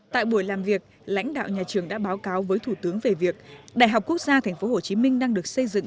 tại buổi làm việc lãnh đạo nhà trường đã báo cáo với thủ tướng về việc đại học quốc gia tp hcm đang được xây dựng